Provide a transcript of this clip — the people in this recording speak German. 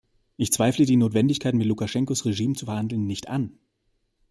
Ich zweifle die Notwendigkeit, mit Lukaschenkos Regime zu verhandeln, nicht an.